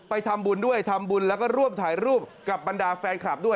ไปทำบุญด้วยทำบุญแล้วก็ร่วมถ่ายรูปกับบรรดาแฟนคลับด้วย